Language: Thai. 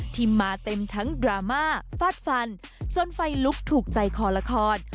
ที่มาเต็มทั้งดราม่าฟาดฟันจนไฟลุกถูกใจคอละคร